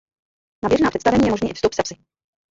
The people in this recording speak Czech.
Na běžná představení je možný i vstup se psy.